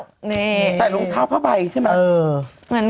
นี่ใส่รองเท้าผ้าใบใช่ไหม